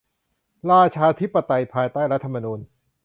ราชาธิปไตยภายใต้รัฐธรรมนูญ